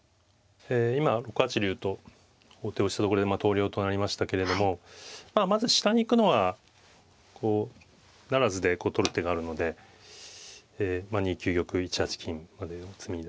ええ今６八竜と王手をしたところで投了となりましたけれどもまず下に行くのはこう不成でこう取る手があるので２九玉１八金までの詰みですね。